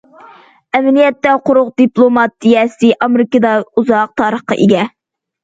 ئەمەلىيەتتە قورۇق دىپلوماتىيەسى ئامېرىكىدا ئۇزاق تارىخقا ئىگە.